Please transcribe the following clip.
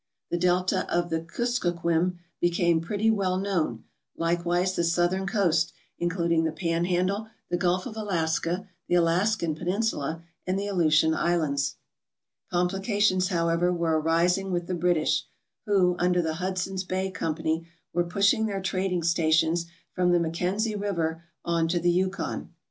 The delta of the Kus kokwim became pretty well known, likewise the southern coast, including the Panhandle, the Gulf of Alaska, the Alaskan Peninsula, and the Aleutian Islands, Complications, however, were arising with the British, who, under the Hudson's Bay Company, were pushing their trading stations from the Mackenzie River on to the Yukon.